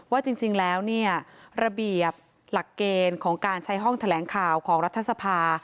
ว่าจริงแล้วเนี่ยระเบียบหลักเกณฑ์ของการใช้ห้องแถลงข่าวของรัฐสภา